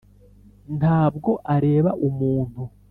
nta bwo areba umuntu,